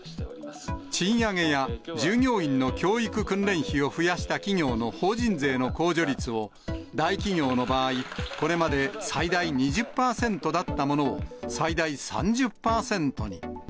賃上げや従業員の教育訓練費を増やした企業の法人税の控除率を、大企業の場合、これまで最大２０％だったものを、最大３０％に。